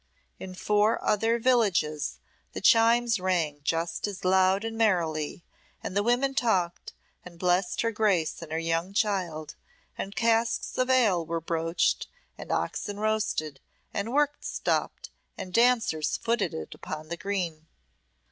In four other villages the chimes rang just as loud and merrily, and the women talked, and blessed her Grace and her young child, and casks of ale were broached, and oxen roasted, and work stopped, and dancers footed it upon the green.